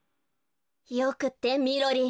よくってみろりん！